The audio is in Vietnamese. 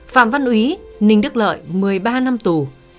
phạm văn úy ninh đức lợi một mươi ba năm tù